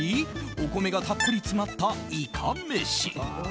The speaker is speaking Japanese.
お米がたっぷり詰まったイカめし。